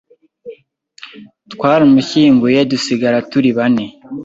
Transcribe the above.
Twarmushyinguye dusigara turi bane